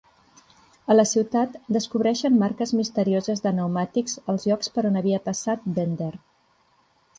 A la ciutat, descobreixen marques misterioses de pneumàtics als llocs per on havia passat Bender.